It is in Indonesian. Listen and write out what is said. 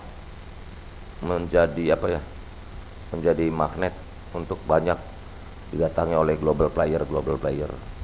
hai menjadi apa ya menjadi magnet untuk banyak dikatanya oleh global player global player